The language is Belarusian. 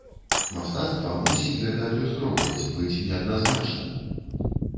Мастацтва мусіць гэта адлюстроўваць, быць неадназначным.